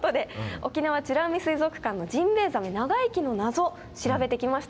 沖縄美ら海水族館のジンベエザメ長生きの謎調べてきました。